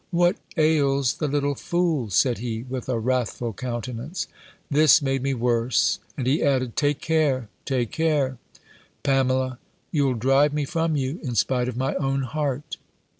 "What ails the little fool?" said he, with a wrathful countenance. This made me worse, and he added, "Take care, take care, Pamela! You'll drive me from you, in spite of my own heart."